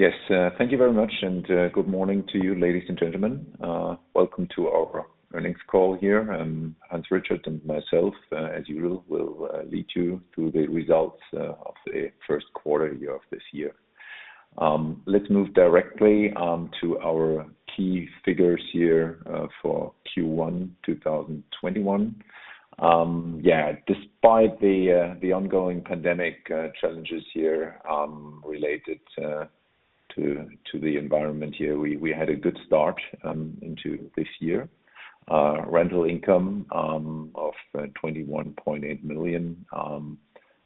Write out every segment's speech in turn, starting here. Yes. Thank you very much, and good morning to you, ladies and gentlemen. Welcome to our earnings call here. Hans Richard and myself, as usual, will lead you through the results of the first quarter year of this year. Let's move directly to our key figures here for Q1 2021. Despite the ongoing pandemic challenges here related to the environment here, we had a good start into this year. Rental income of 21.8 million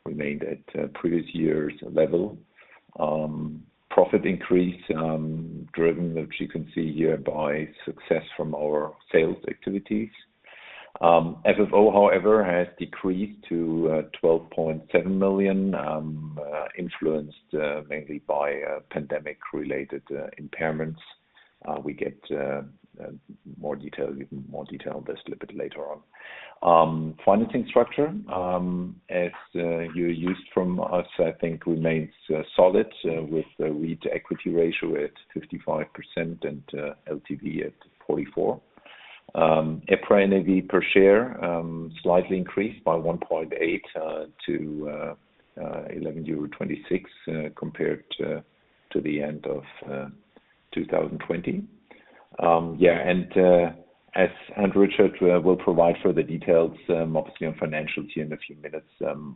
remained at previous year's level. Profit increase driven, which you can see here, by success from our sales activities. FFO, however, has decreased to 12.7 million, influenced mainly by pandemic-related impairments. We get more detail on this a little bit later on. Financing structure. As you're used from us, I think remains solid with the REIT equity ratio at 55% and LTV at 44%. EPRA NAV per share slightly increased by 1.8 to 11.26 euro compared to the end of 2020. Hans Richard will provide further details, obviously on financials here in a few minutes,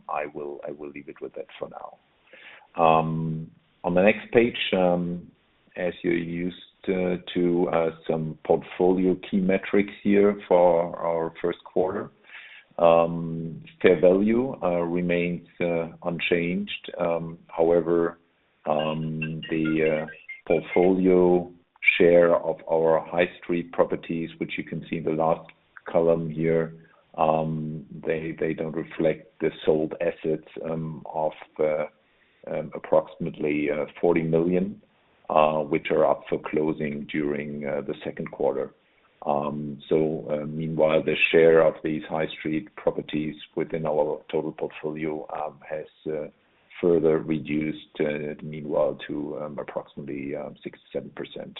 I will leave it with that for now. On the next page, as you're used to, some portfolio key metrics here for our first quarter. Fair value remains unchanged. However, the portfolio share of our high street properties, which you can see in the last column here, they don't reflect the sold assets of approximately 40 million, which are up for closing during the second quarter. Meanwhile, the share of these high street properties within our total portfolio has further reduced meanwhile to approximately 67%.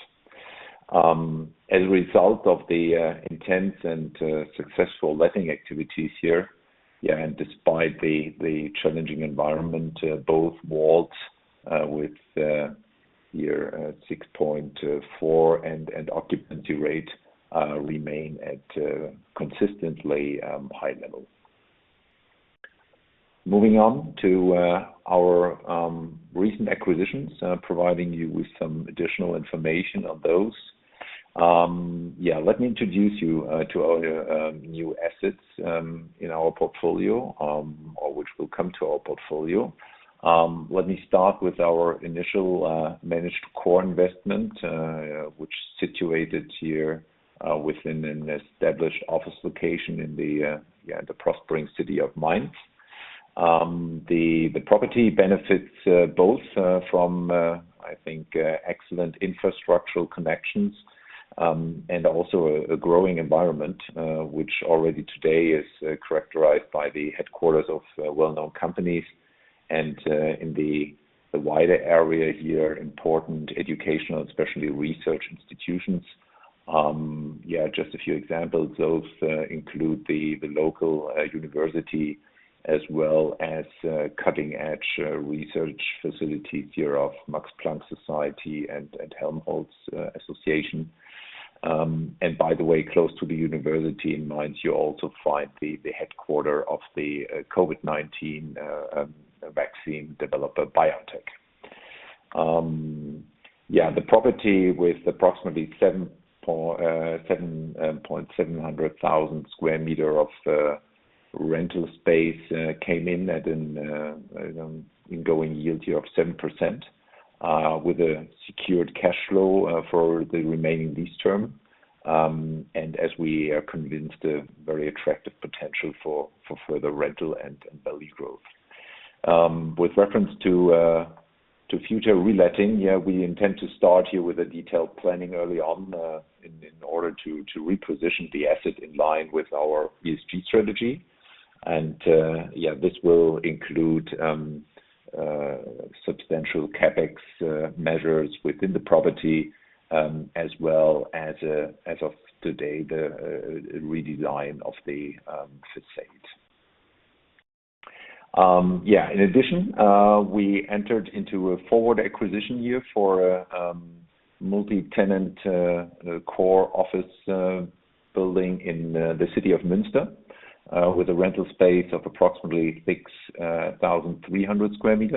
As a result of the intense and successful letting activities here, and despite the challenging environment, both WALT here at 6.4 and occupancy rate remain at consistently high level. Moving on to our recent acquisitions, providing you with some additional information on those. Let me introduce you to our new assets in our portfolio, or which will come to our portfolio. Let me start with our initial managed core investment, which is situated here within an established office location in the prospering city of Mainz. The property benefits both from, I think, excellent infrastructural connections, and also a growing environment, which already today is characterized by the headquarters of well-known companies. In the wider area here, important educational, especially research institutions. Just a few examples, those include the local university as well as cutting-edge research facilities here of Max Planck Society and Helmholtz Association. By the way, close to the university in Mainz, you also find the headquarter of the COVID-19 vaccine developer, BioNTech. The property with approximately 7,700 sq m of rental space, came in at an ingoing yield here of 7%, with a secured cash flow for the remaining lease term. As we are convinced, a very attractive potential for further rental and value growth. With reference to future reletting, we intend to start here with a detailed planning early on in order to reposition the asset in line with our ESG strategy. This will include substantial CapEx measures within the property, as well as of today, the redesign of the fit suite. In addition, we entered into a forward acquisition here for a multi-tenant core office building in the city of Münster, with a rental space of approximately 6,300 sq m.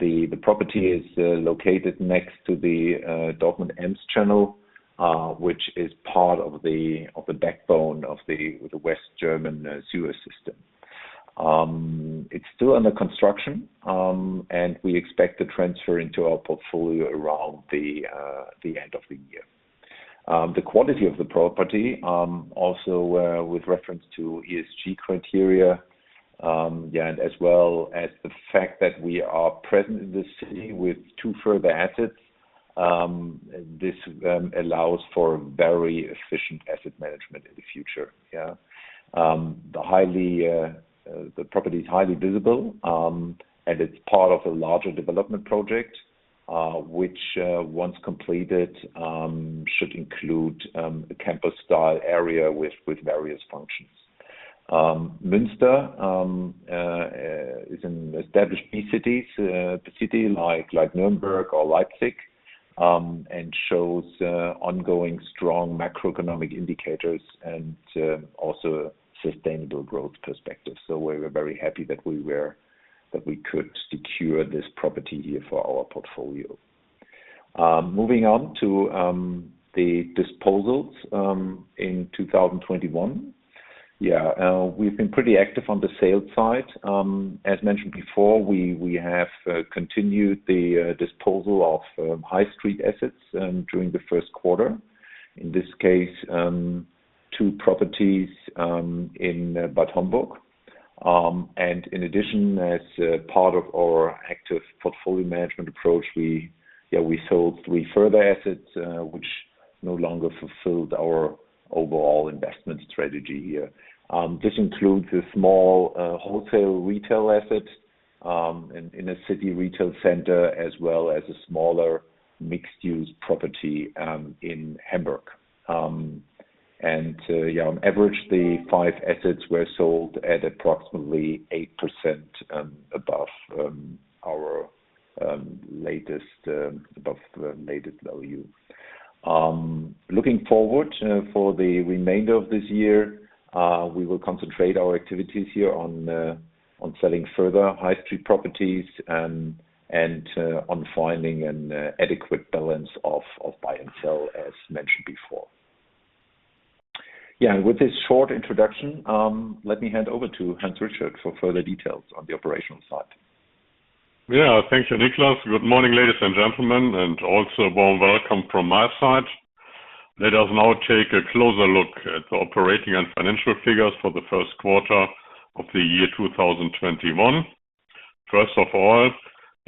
The property is located next to the Dortmund-Ems Canal, which is part of the backbone of the West German canal network. It's still under construction. We expect the transfer into our portfolio around the end of the year. The quality of the property, also with reference to ESG criteria, as well as the fact that we are present in the city with two further assets. This allows for very efficient asset management in the future. The property is highly visible. It's part of a larger development project, which once completed should include a campus style area with various functions. Münster is an established city, like Nuremberg or Leipzig. It shows ongoing strong macroeconomic indicators and also sustainable growth perspective. We were very happy that we could secure this property here for our portfolio. Moving on to the disposals in 2021. We've been pretty active on the sales side. As mentioned before, we have continued the disposal of high street assets during the first quarter. In this case, two properties in Bad Homburg. In addition, as part of our active portfolio management approach, we sold three further assets, which no longer fulfilled our overall investment strategy here. This includes a small wholesale retail asset in a city retail center, as well as a smaller mixed-use property in Hamburg. On average, the five assets were sold at approximately 8% above our latest value. Looking forward for the remainder of this year, we will concentrate our activities here on selling further high street properties and on finding an adequate balance of buy and sell, as mentioned before. With this short introduction, let me hand over to Hans Richard for further details on the operational side. Thank you, Niclas. Good morning, ladies and gentlemen, and also warm welcome from my side. Let us now take a closer look at the operating and financial figures for the first quarter of the year 2021. First of all,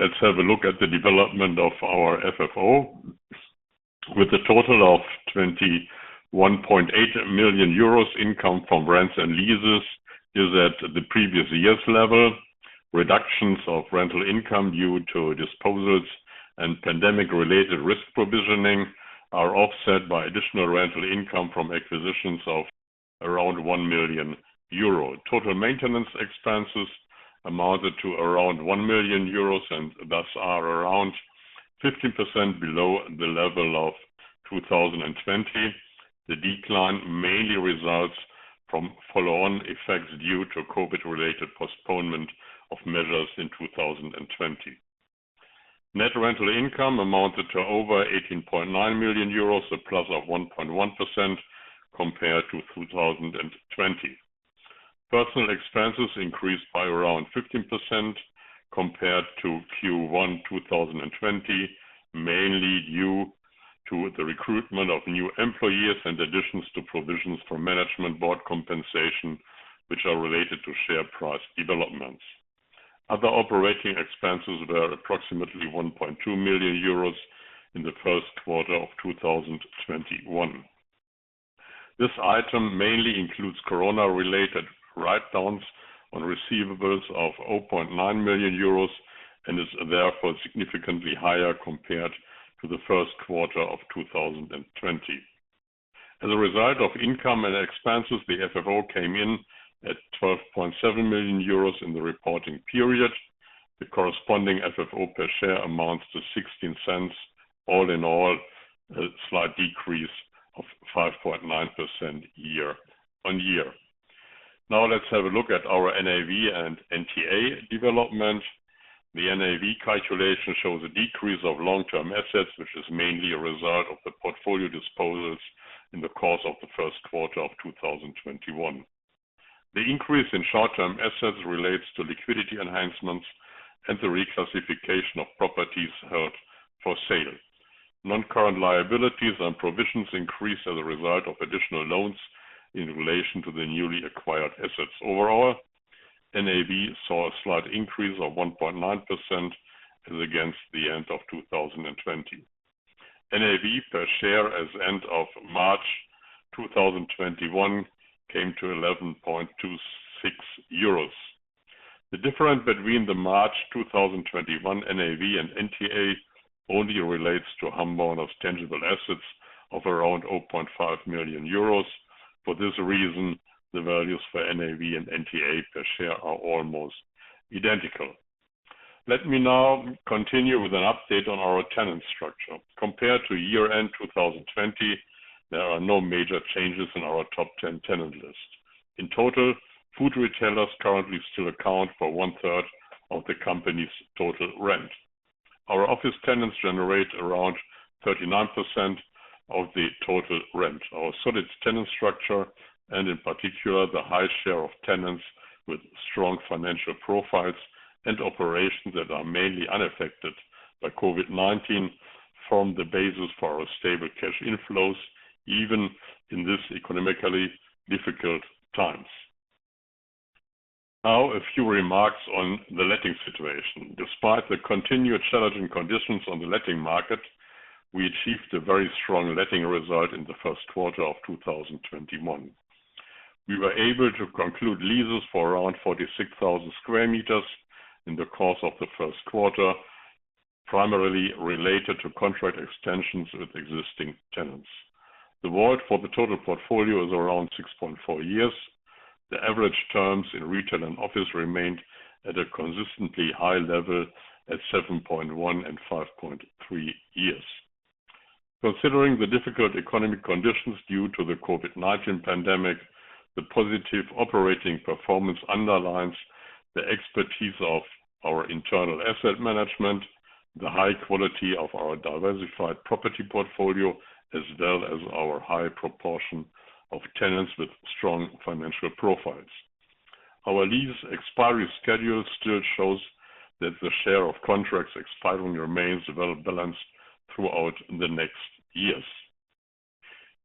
let's have a look at the development of our FFO. With a total of 21.8 million euros income from rents and leases is at the previous year's level. Reductions of rental income due to disposals and pandemic related risk provisioning are offset by additional rental income from acquisitions of around 1 million euro. Total maintenance expenses amounted to around 1 million euros and thus are around 15% below the level of 2020. The decline mainly results from follow-on effects due to COVID-19 related postponement of measures in 2020. Net rental income amounted to over 18.9 million euros, a plus of 1.1% compared to 2020. Personnel expenses increased by around 15% compared to Q1 2020, mainly due to the recruitment of new employees and additions to provisions for management board compensation, which are related to share price developments. Other operating expenses were approximately 1.2 million euros in the first quarter of 2021. This item mainly includes COVID-19 related write downs on receivables of 0.9 million euros and is therefore significantly higher compared to the first quarter of 2020. As a result of income and expenses, the FFO came in at 12.7 million euros in the reporting period. The corresponding FFO per share amounts to 0.16. All in all, a slight decrease of 5.9% year on year. Now let's have a look at our NAV and NTA development. The NAV calculation shows a decrease of long-term assets, which is mainly a result of the portfolio disposals in the course of the first quarter of 2021. The increase in short-term assets relates to liquidity enhancements and the reclassification of properties held for sale. Non-current liabilities and provisions increase as a result of additional loans in relation to the newly acquired assets. Overall, NAV saw a slight increase of 1.9% as against the end of 2020. NAV per share as end of March 2021 came to 11.26 euros. The difference between the March 2021 NAV and NTA only relates to Hamborner's tangible assets of around 0.5 million euros. For this reason, the values for NAV and NTA per share are almost identical. Let me now continue with an update on our tenant structure. Compared to year end 2020, there are no major changes in our top 10 tenant list. In total, food retailers currently still account for one third of the company's total rent. Our office tenants generate around 39% of the total rent. Our solid tenant structure, and in particular, the high share of tenants with strong financial profiles and operations that are mainly unaffected by COVID-19 form the basis for our stable cash inflows, even in this economically difficult times. Now a few remarks on the letting situation. Despite the continued challenging conditions on the letting market, we achieved a very strong letting result in the first quarter of 2021. We were able to conclude leases for around 46,000 sq m in the course of the first quarter, primarily related to contract extensions with existing tenants. The WALT for the total portfolio is around 6.4 years. The average terms in retail and office remained at a consistently high level at 7.1 and 5.3 years. Considering the difficult economic conditions due to the COVID-19 pandemic, the positive operating performance underlines the expertise of our internal asset management, the high quality of our diversified property portfolio, as well as our high proportion of tenants with strong financial profiles. Our lease expiry schedule still shows that the share of contracts expiring remains well balanced throughout the next years.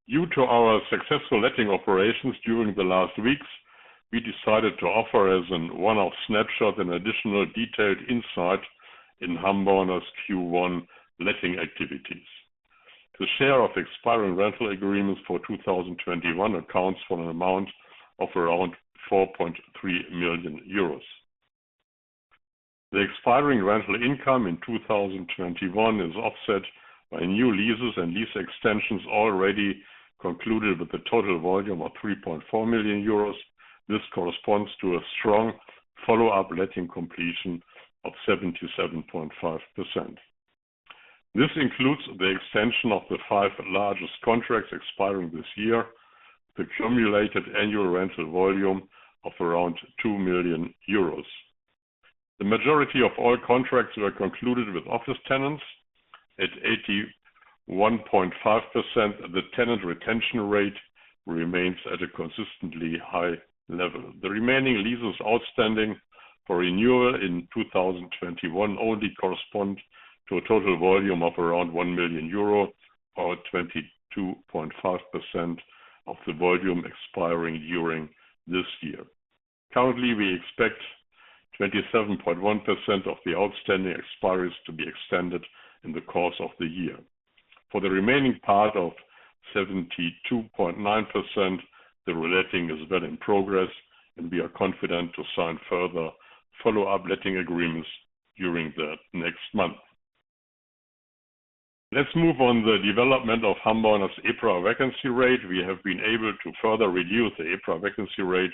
Due to our successful letting operations during the last weeks, we decided to offer as an one-off snapshot, an additional detailed insight in Hamborner's Q1 letting activities. The share of expiring rental agreements for 2021 accounts for an amount of around 4.3 million euros. The expiring rental income in 2021 is offset by new leases and lease extensions already concluded with a total volume of 3.4 million euros. This corresponds to a strong follow-up letting completion of 77.5%. This includes the extension of the five largest contracts expiring this year, the cumulated annual rental volume of around 2 million euros. The majority of all contracts were concluded with office tenants. At 81.5%, the tenant retention rate remains at a consistently high level. The remaining leases outstanding for renewal in 2021 only correspond to a total volume of around 1 million euro, or 22.5% of the volume expiring during this year. Currently, we expect 27.1% of the outstanding expiries to be extended in the course of the year. For the remaining part of 72.9%, the reletting is well in progress, and we are confident to sign further follow-up letting agreements during the next month. Let's move on the development of Hamborner's EPRA vacancy rate. We have been able to further reduce the EPRA vacancy rate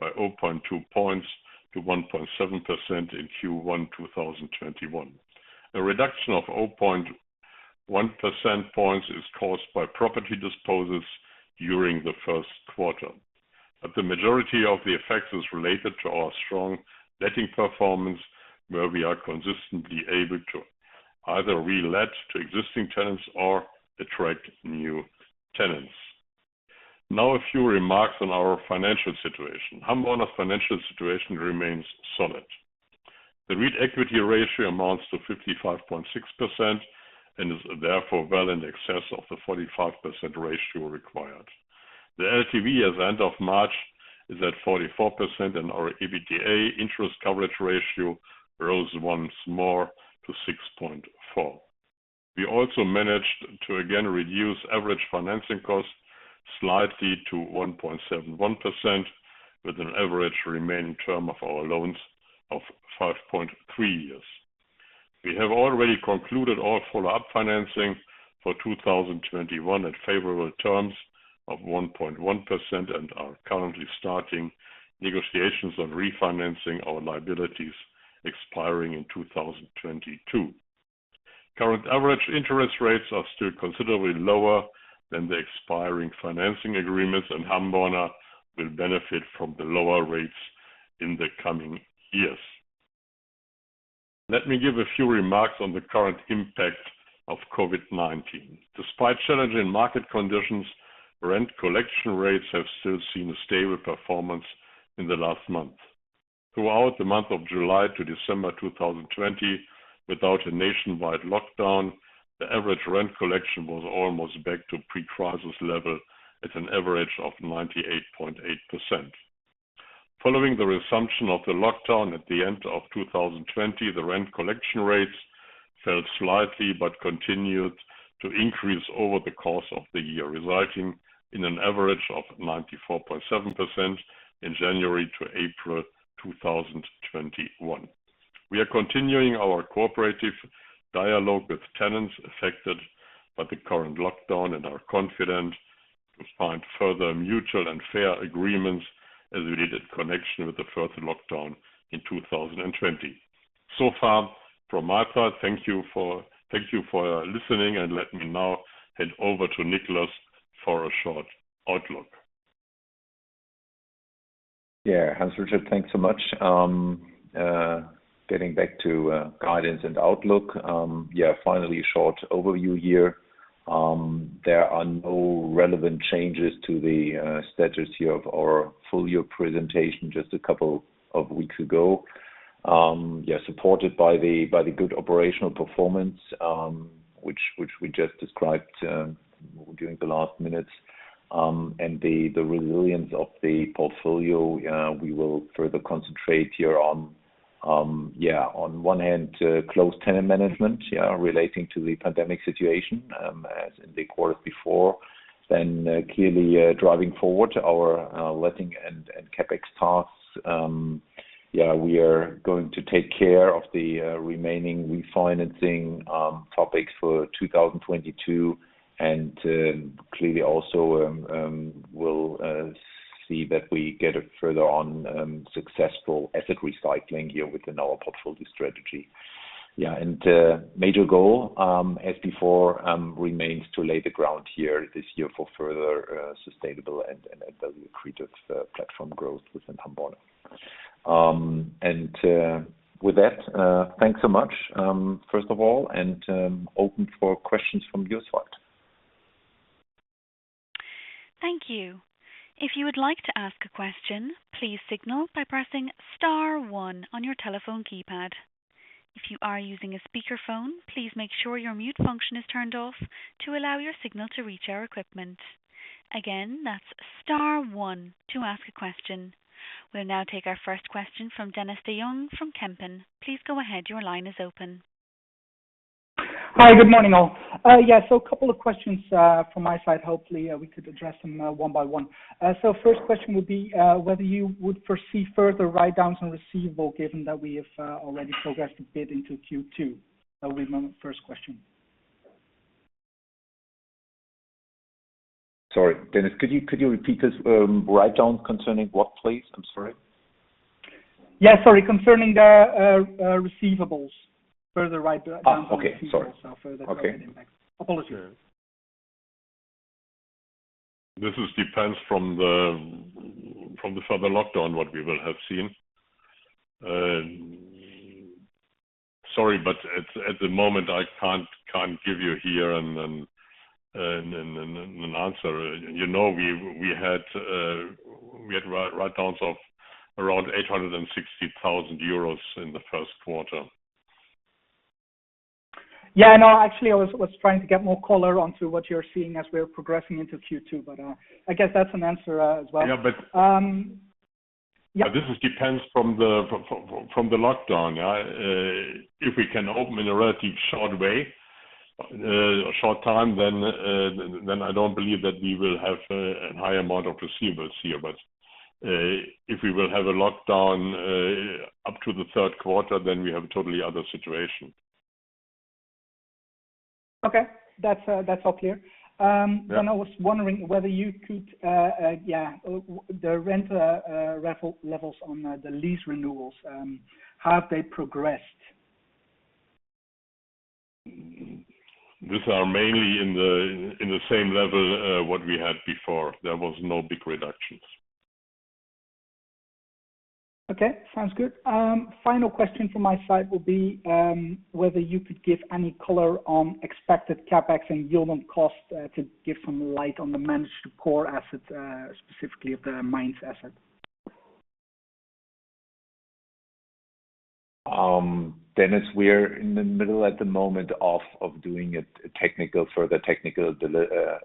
by 0.2 points to 1.7% in Q1 2021. A reduction of 0.1 percentage points is caused by property disposals during the first quarter. The majority of the effect is related to our strong letting performance, where we are consistently able to either relet to existing tenants or attract new tenants. Now, a few remarks on our financial situation. Hamborner's financial situation remains solid. The REIT equity ratio amounts to 55.6% and is therefore well in excess of the 45% ratio required. The LTV as end of March is at 44%, and our EBITDA interest coverage ratio rose once more to 6.4. We also managed to again reduce average financing costs slightly to 1.71%, with an average remaining term of our loans of 5.3 years. We have already concluded our follow-up financing for 2021 at favorable terms of 1.1% and are currently starting negotiations on refinancing our liabilities expiring in 2022. Current average interest rates are still considerably lower than the expiring financing agreements, and Hamborner will benefit from the lower rates in the coming years. Let me give a few remarks on the current impact of COVID-19. Despite challenging market conditions, rent collection rates have still seen a stable performance in the last month. Throughout the month of July to December 2020, without a nationwide lockdown, the average rent collection was almost back to pre-crisis level at an average of 98.8%. Following the resumption of the lockdown at the end of 2020, the rent collection rates fell slightly but continued to increase over the course of the year, resulting in an average of 94.7% in January to April 2021. We are continuing our cooperative dialogue with tenants affected by the current lockdown and are confident to find further mutual and fair agreements as we did in connection with the first lockdown in 2020. Far from my side, thank you for listening, and let me now hand over to Niclas for a short outlook. Hans Richard, thanks so much. Getting back to guidance and outlook. Finally, a short overview here. There are no relevant changes to the status here of our full-year presentation just a couple of weeks ago. Supported by the good operational performance, which we just described during the last minutes. The resilience of the portfolio, we will further concentrate here on one hand, close tenant management relating to the pandemic situation as in the quarter before. Clearly driving forward our letting and CapEx tasks. We are going to take care of the remaining refinancing topics for 2022. Clearly also we'll see that we get further on successful asset recycling here within our portfolio strategy. Major goal, as before, remains to lay the ground here this year for further sustainable and value accretive platform growth within Hamborner. With that, thanks so much, first of all, and open for questions from your side. Thank you. If you would like to ask a question, please signal by pressing star one on your telephone keypad. If you are using a speakerphone, please make sure your mute function is turned off to allow your signal to reach our equipment. Again, that's star one to ask a question. We'll now take our first question from Dennis de Jong from Kempen. Please go ahead. Your line is open. Hi, good morning, all. Yeah, a couple of questions from my side. Hopefully, we could address them one by one. First question would be whether you would foresee further write-downs on receivable given that we have already progressed a bit into Q2. That will be my first question. Sorry, Dennis, could you repeat this? Write-down concerning what, please? I'm sorry. Yeah, sorry, concerning the receivables. Further write-down receivables are further impact. Apologies. This depends from the further lockdown, what we will have seen. Sorry, at the moment, I can't give you here an answer. You know we had write-downs of around 860,000 euros in the first quarter. Yeah, I know. Actually, I was trying to get more color onto what you're seeing as we're progressing into Q2, but I guess that's an answer as well. Yeah, but. Yeah. This depends from the lockdown. If we can open in a relative short way, a short time, then I don't believe that we will have a high amount of receivables here. If we will have a lockdown up to the third quarter, then we have a totally other situation. Okay. That's all clear. Yeah. The rent levels on the lease renewals, how have they progressed? These are mainly in the same level what we had before. There was no big reductions. Okay, sounds good. Final question from my side will be whether you could give any color on expected CapEx and yield on cost to give some light on the managed core assets, specifically of the Mainz asset. Dennis, we're in the middle at the moment of doing a further technical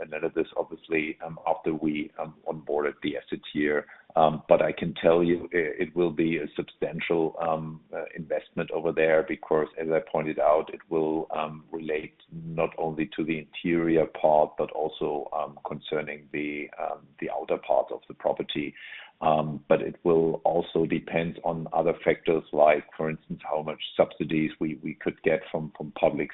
analysis, obviously, after we onboarded the assets here. I can tell you it will be a substantial investment over there because, as I pointed out, it will relate not only to the interior part but also concerning the outer part of the property. It will also depend on other factors like, for instance, how much subsidies we could get from public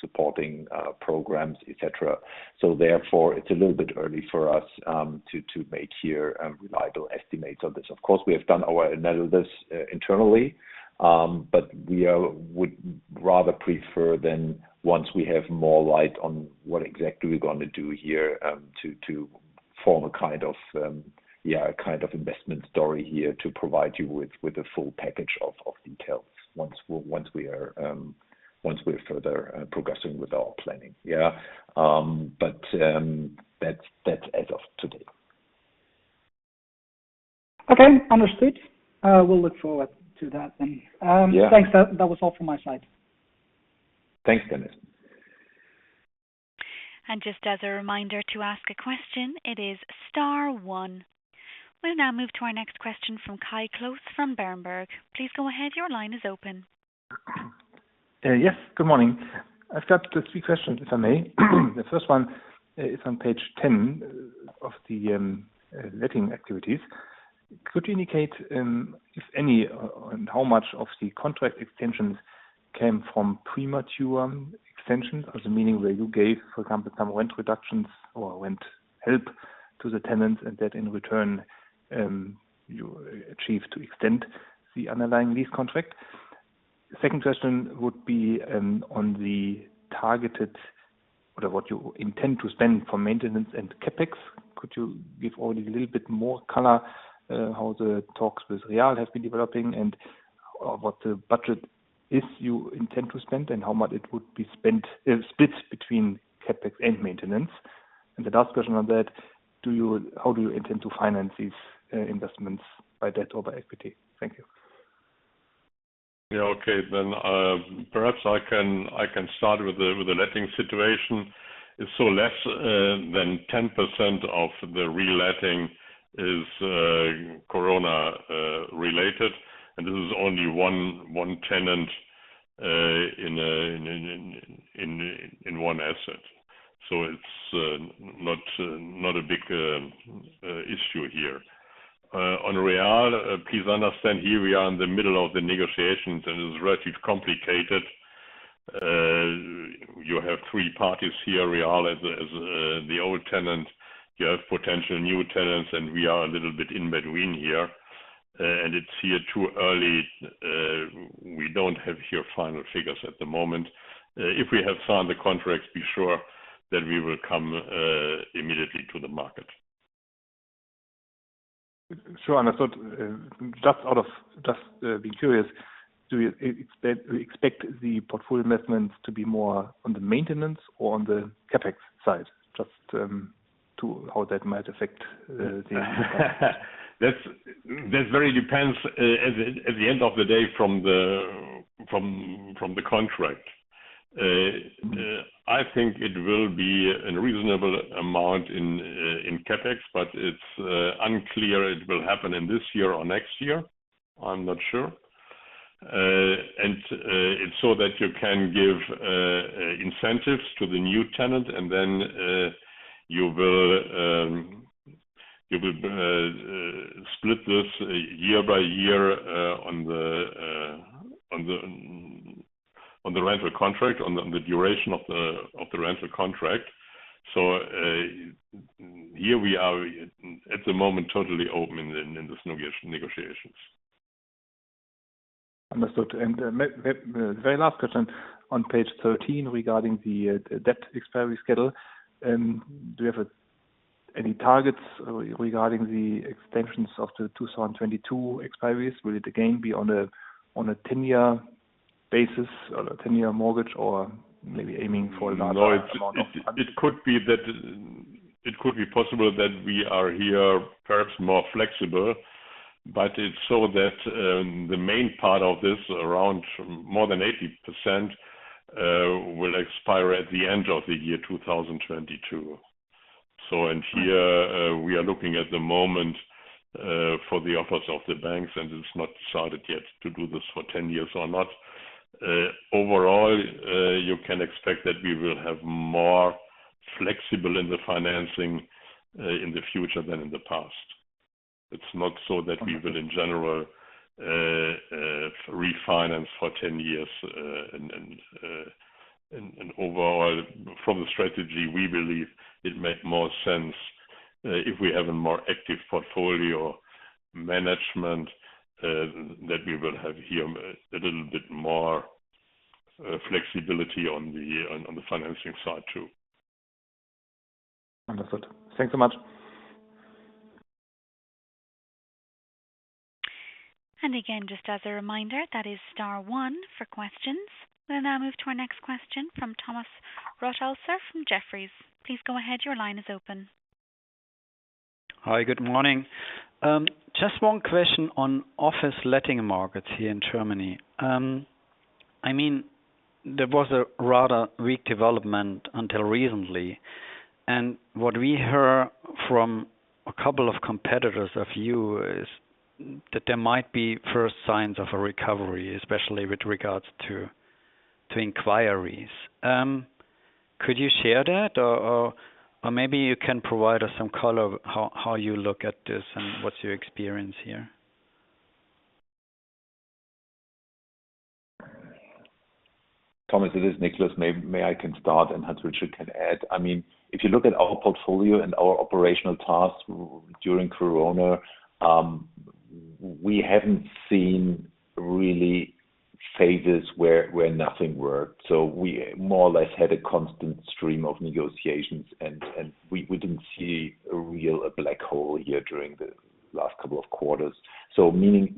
supporting programs, et cetera. Therefore, it's a little bit early for us to make here reliable estimates of this. Of course, we have done our analysis internally, but we would rather prefer then once we have more light on what exactly we're going to do here to form a kind of investment story here to provide you with a full package of details once we're further progressing with our planning. That's as of today. Okay, understood. We'll look forward to that then. Yeah. Thanks. That was all from my side. Thanks, Dennis. Just as a reminder, to ask a question, it is star one. We'll now move to our next question from Kai Klose from Berenberg. Please go ahead, your line is open. Yes, good morning. I've got three questions, if I may. The first one is on page 10 of the letting activities. Could you indicate if any, and how much of the contract extensions came from premature extensions as a meaning where you gave, for example, some rent reductions or rent help to the tenants, and that in return you achieved to extend the underlying lease contract? Second question would be on the targeted, what you intend to spend for maintenance and CapEx. Could you give only a little bit more color how the talks with Real have been developing and what the budget is you intend to spend, and how much it would be split between CapEx and maintenance? The last question on that, how do you intend to finance these investments by debt or by equity? Thank you. Yeah, okay. Perhaps I can start with the letting situation. Less than 10% of the re-letting is corona related, and this is only one tenant in one asset. It's not a big issue here. On Real, please understand, here we are in the middle of the negotiations and it's relatively complicated. You have three parties here, Real as the old tenant. You have potential new tenants, we are a little bit in between here. It's here too early. We don't have here final figures at the moment. If we have signed the contracts, be sure that we will come immediately to the market. Sure. Understood. Just being curious, do you expect the portfolio investments to be more on the maintenance or on the CapEx side? That very depends, at the end of the day, from the contract. I think it will be a reasonable amount in CapEx, but it's unclear it will happen in this year or next year. I'm not sure. So that you can give incentives to the new tenant and then you will split this year by year on the rental contract, on the duration of the rental contract. Here we are, at the moment, totally open in these negotiations. Understood. The very last question on page 13 regarding the debt expiry schedule. Do you have any targets regarding the extensions of the 2022 expiries? Will it again be on a 10-year basis or a 10-year mortgage or maybe aiming for a larger amount of. It could be possible that we are here perhaps more flexible, but it's so that the main part of this, around more than 80%, will expire at the end of the year 2022. Here we are looking at the moment for the offers of the banks, and it's not decided yet to do this for 10 years or not. Overall, you can expect that we will have more flexible in the financing in the future than in the past. It's not so that we will, in general, refinance for 10 years. Overall, from the strategy, we believe it make more sense if we have a more active portfolio management that we will have here a little bit more flexibility on the financing side, too. Understood. Thanks so much. Again, just as a reminder, that is star one for questions. We'll now move to our next question from Thomas Rothaeusler from Jefferies. Please go ahead. Your line is open. Hi. Good morning. Just one question on office letting markets here in Germany. There was a rather weak development until recently. What we heard from a couple of competitors of you is that there might be first signs of a recovery, especially with regards to inquiries. Could you share that? Maybe you can provide us some color how you look at this and what's your experience here? Thomas, it is Niclas. Maybe I can start and Hans Richard can add. If you look at our portfolio and our operational tasks during COVID-19, we haven't seen really phases where nothing worked. We more or less had a constant stream of negotiations and we didn't see a real black hole here during the last couple of quarters. Meaning,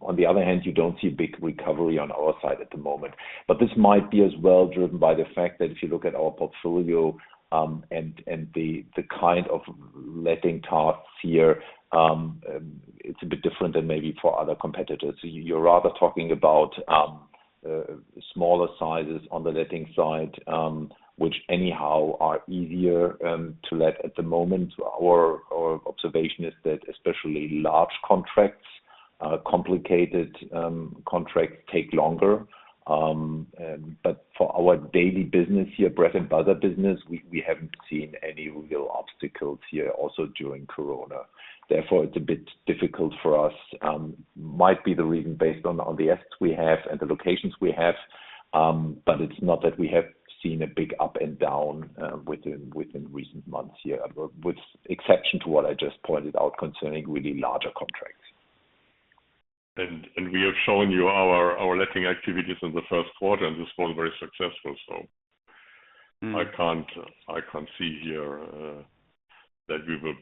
on the other hand, you don't see a big recovery on our side at the moment. This might be as well driven by the fact that if you look at our portfolio and the kind of letting tasks here, it's a bit different than maybe for other competitors. You're rather talking about smaller sizes on the letting side, which anyhow are easier to let at the moment. Our observation is that especially large contracts, complicated contracts take longer. For our daily business here, bread and butter business, we haven't seen any real obstacles here also during COVID-19. Therefore, it's a bit difficult for us. Might be the reason based on the assets we have and the locations we have, but it's not that we have seen a big up and down within recent months here, with exception to what I just pointed out concerning really larger contracts. We have shown you our letting activities in the first quarter, and this was very successful. I can't see here that we will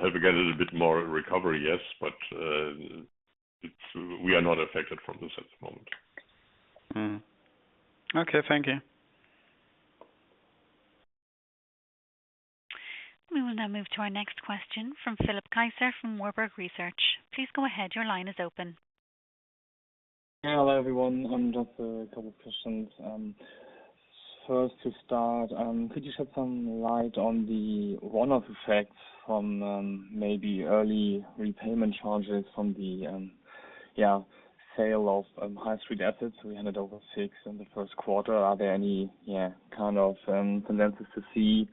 have again a little bit more recovery, yes, but we are not affected from this at the moment. Okay. Thank you. We will now move to our next question from Philipp Kaiser from Warburg Research. Please go ahead. Your line is open. Yeah. Hello, everyone. Just a couple of questions. First to start, could you shed some light on the one-off effects from maybe early repayment charges from the sale of high street assets we handed over six in the first quarter. Are there any kind of to see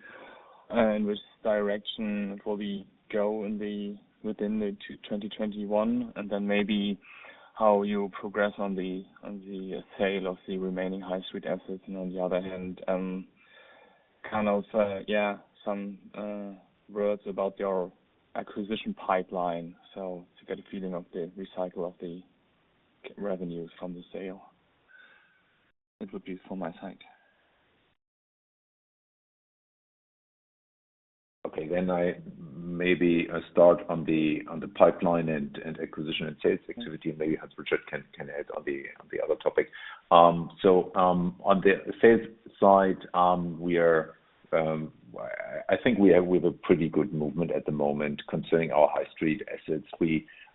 in which direction it will be go within 2021? Then maybe how you progress on the sale of the remaining high street assets. On the other hand, some words about your acquisition pipeline. To get a feeling of the recycle of the revenues from the sale. That would be for my side. Okay. I maybe start on the pipeline and acquisition and sales activity. Maybe Hans Richard can add on the other topic. On the sales side, I think we have a pretty good movement at the moment concerning our high street assets.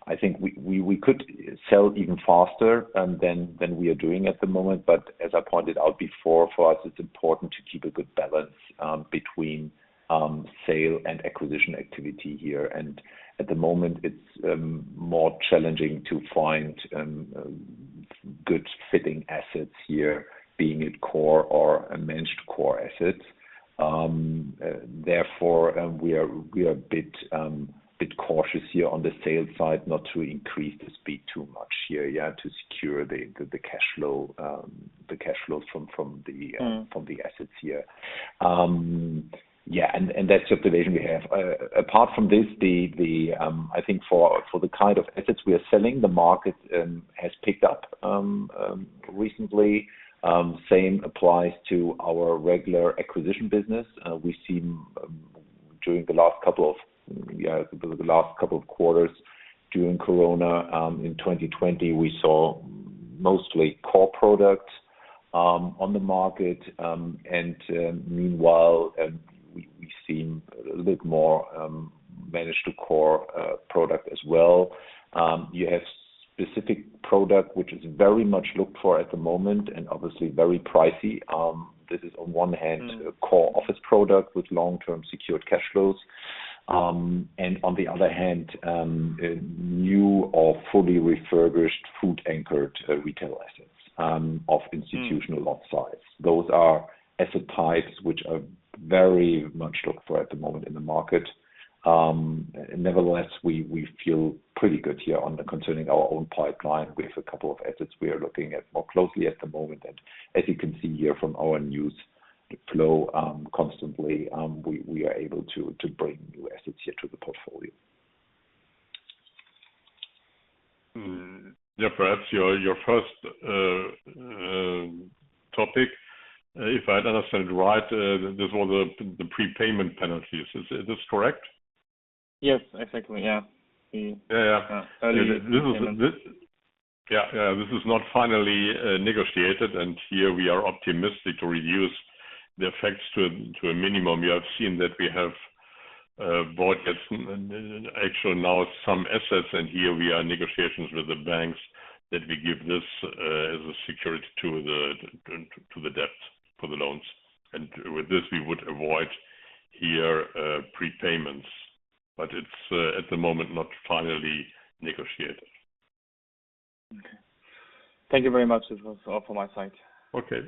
I think we could sell even faster than we are doing at the moment. As I pointed out before, for us, it's important to keep a good balance between sale and acquisition activity here. At the moment it's more challenging to find good fitting assets here being at core or managed core assets. Therefore, we are a bit cautious here on the sales side not to increase the speed too much here. To secure the cash flows from the assets here. Yeah. That's just the vision we have. Apart from this, I think for the kind of assets we are selling, the market has picked up recently. Same applies to our regular acquisition business. We've seen during the last couple of quarters during COVID-19 in 2020, we saw mostly core products on the market. Meanwhile, we've seen a little more managed core product as well. You have specific product, which is very much looked for at the moment and obviously very pricey. This is on one hand, core office product with long-term secured cash flows. On the other hand new or fully refurbished food anchored retail assets of institutional lot size. Those are asset types which are very much looked for at the moment in the market. Nevertheless, we feel pretty good here concerning our own pipeline. We have a couple of assets we are looking at more closely at the moment. As you can see here from our news flow, constantly we are able to bring new assets here to the portfolio. Yeah. Perhaps your first topic, if I understood right, this was the prepayment penalties. Is this correct? Yes, exactly. Yeah. Yeah. This is not finally negotiated, and here we are optimistic to reduce the effects to a minimum. You have seen that we have bought actually now some assets, and here we are in negotiations with the banks that we give this as a security to the debt for the loans. With this, we would avoid here prepayments. It's at the moment not finally negotiated. Okay. Thank you very much. This was all from my side. Okay.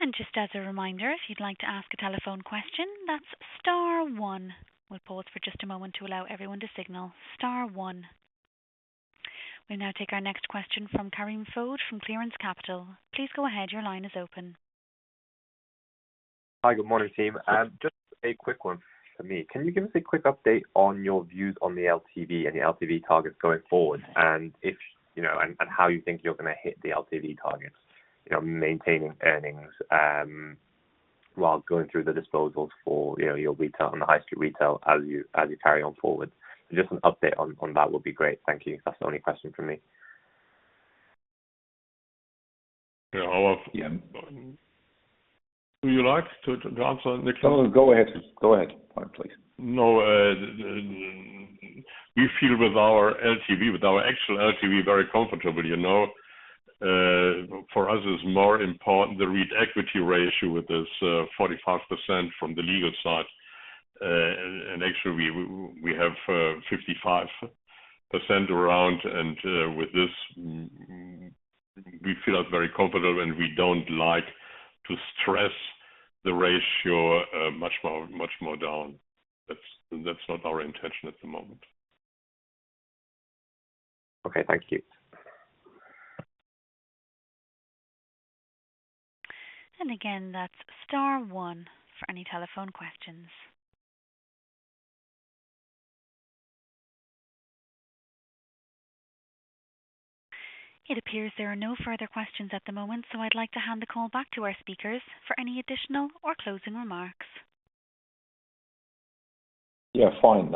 And just as a reminder, if you'd like to ask a telephone question, that's star one. We'll pause for just a moment to allow everyone to signal. Star one. We'll now take our next question from Karim Fode from Clearance Capital. Please go ahead. Your line is open. Hi. Good morning, team. Just a quick one for me. Can you give us a quick update on your views on the LTV and the LTV targets going forward, and how you think you're going to hit the LTV targets maintaining earnings while going through the disposals for your retail and the high street retail as you carry on forward. Just an update on that would be great. Thank you. That's the only question from me. Yeah. Karoff. Do you like to answer, Niclas? No, go ahead. Go ahead, Hans, please. No. We feel with our actual LTV very comfortable. For us it's more important the REIT equity ratio with this 45% from the legal side. Actually, we have 55% around, and with this we feel very comfortable, and we don't like to stress the ratio much more down. That's not our intention at the moment. Okay. Thank you. Again, that's star one for any telephone questions. It appears there are no further questions at the moment, I'd like to hand the call back to our speakers for any additional or closing remarks. Yeah. Fine.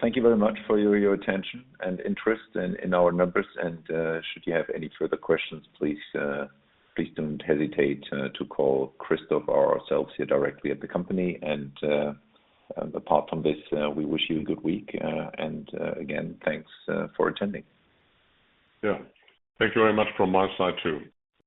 Thank you very much for your attention and interest in our numbers. Should you have any further questions, please don't hesitate to call Christoph or ourselves here directly at the company. Apart from this, we wish you a good week. Again, thanks for attending. Yeah. Thank you very much from my side, too.